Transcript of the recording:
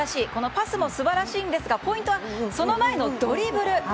パスも素晴らしいんですがポイントはその前のドリブル。